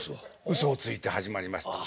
うそをついて始まりました。